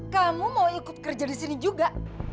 kamu mau ikut kerja di sini juga